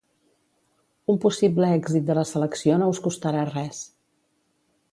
Un possible èxit de la selecció no us costarà res.